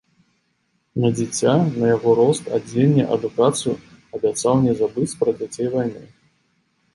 На дзіця, на яго рост, адзенне, адукацыю, абяцаў не забыць пра дзяцей вайны.